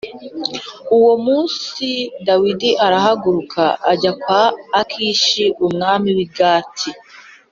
Uwo munsi Dawidi arahaguruka ajya kwa Akishi umwami w’i Gati